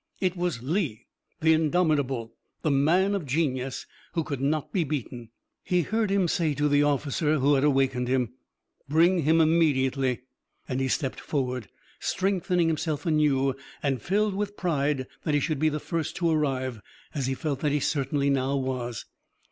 It was Lee, the indomitable, the man of genius, who could not be beaten. He heard him say to the officer who had awakened him, "Bring him immediately!" and he stepped forward, strengthening himself anew and filled with pride that he should be the first to arrive, as he felt that he certainly now was.